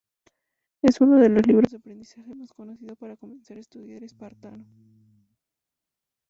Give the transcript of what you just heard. Es uno de los libros de aprendizaje más conocido para comenzar a estudiar esperanto.